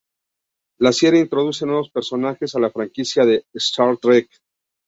La serie introduce nuevos personajes a la franquicia de "Star Trek".